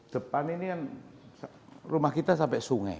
depan ini kan rumah kita sampai sungai